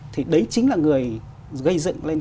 thì đấy chính là người gây dựng lên